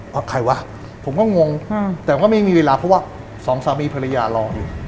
ใครวะผมก็งงแต่ว่าไม่มีเวลาเพราะว่าสองสามีภรรยารออยู่